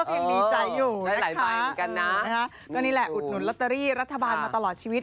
ยังดีใจอยู่นะคะก็นี่แหละอุดหนุนลอตเตอรี่รัฐบาลมาตลอดชีวิต